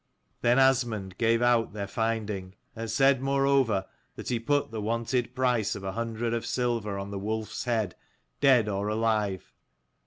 Then Asmund gave out their rinding, and said moreover that he put the wonted price of a hundred of silver on the wolfs head, dead or alive.